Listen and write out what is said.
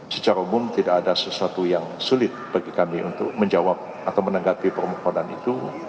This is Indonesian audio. secara umum tidak ada sesuatu yang sulit bagi kami untuk menjawab atau menanggapi permohonan itu